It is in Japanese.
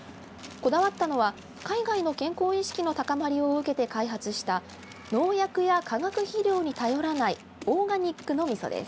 こだわったのは海外の健康意識の高まりを受けて開発した農薬や化学肥料に頼らないオーガニックのみそです。